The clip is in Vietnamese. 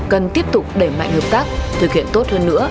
cần tiếp tục đẩy mạnh hợp tác thực hiện tốt hơn nữa